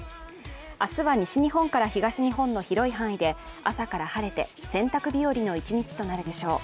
明日は西日本から東日本の広い範囲で朝から晴れて洗濯日和の一日となるでしょう。